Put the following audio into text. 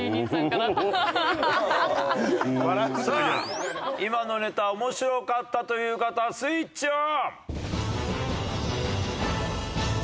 さあ今のネタ面白かったという方スイッチオン！